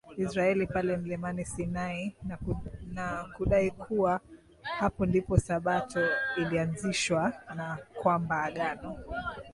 Israeli pale mlimani Sinai na kudai kuwa Hapo ndipo sabato ilianzishwa na kwamba Agano